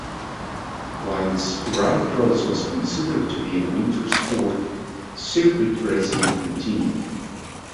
Whilst Rallycross was considered to be a winter sport, circuit racing continued.